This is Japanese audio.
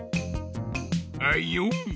あいよ。